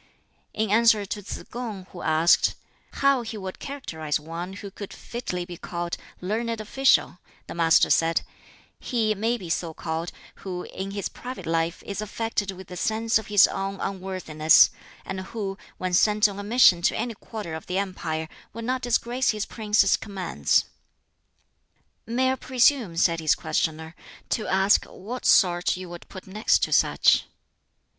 In answer to Tsz kung, who asked, "how he would characterize one who could fitly be called 'learned official,'" the Master said, "He may be so called who in his private life is affected with a sense of his own unworthiness, and who, when sent on a mission to any quarter of the empire, would not disgrace his prince's commands." "May I presume," said his questioner, "to ask what sort you would put next to such?"